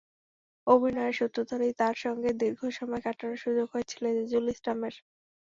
অভিনয়ের সূত্র ধরেই তাঁর সঙ্গে দীর্ঘ সময় কাটানোর সুযোগ হয়েছিল এজাজুল ইসলামের।